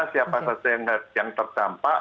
siapa saja yang terdampak